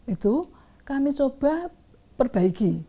itu kami coba perbaiki